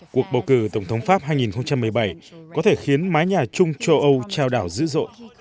cuộc bầu cử tổng thống pháp hai nghìn một mươi bảy có thể khiến mái nhà chung châu âu trao đảo dữ dội